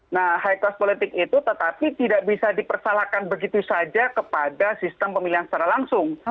nah high cost politik itu tetapi tidak bisa dipersalahkan begitu saja kepada sistem pemilihan secara langsung